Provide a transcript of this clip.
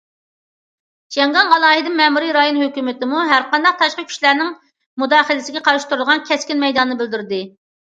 شياڭگاڭ ئالاھىدە مەمۇرىي رايون ھۆكۈمىتىمۇ ھەرقانداق تاشقى كۈچلەرنىڭ مۇداخىلىسىگە قارشى تۇرىدىغان كەسكىن مەيدانىنى بىلدۈردى.